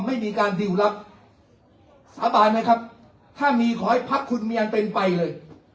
ไม่มีการดิวรับสาบานไหมครับถ้ามีขอให้พักคุณมีอันเป็นไปเลย